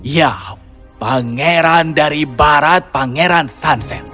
ya pangeran dari barat pangeran sunset